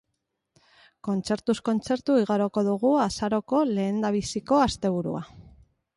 Kontzertuz kontzertu igaroko dugu azaroko lehendabiziko asteburua.